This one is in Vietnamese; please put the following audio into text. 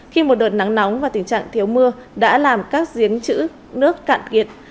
khi một đợt nắng nóng và tình trạng thiếu mưa đã làm các giếng chữ nước cạn kiệt